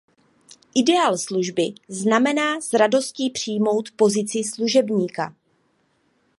Ideál služby znamená s radostí přijmout pozici služebníka.